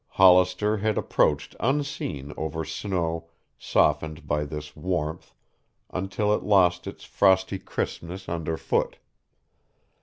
Hollister had approached unseen over snow softened by this warmth until it lost its frosty crispness underfoot.